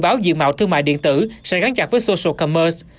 như dự báo thương mại điện tử sẽ gắn chặt với social commerce